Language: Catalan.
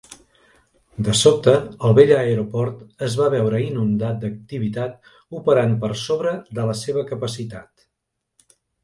De sobte, el vell aeroport es va veure inundat d'activitat, operant per sobre de la seva capacitat.